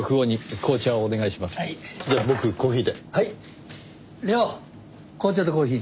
紅茶とコーヒーね。